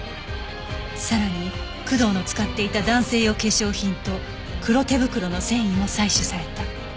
さらに工藤の使っていた男性用化粧品と黒手袋の繊維も採取された